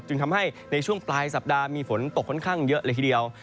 ทำให้ในช่วงปลายสัปดาห์มีฝนตกค่อนข้างเยอะเลยทีเดียว